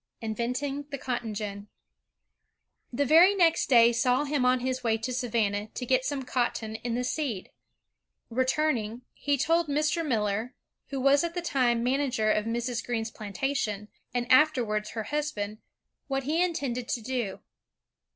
Inventing the Cotton Gin The very next day saw him on his way to Savannah to get some cotton in the seed. Returning, he told Mr. Miller, who was at that time manager of Mrs. Greene's plantation, and afterwards her husband, what he intended to do.